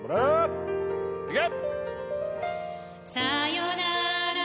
いけ！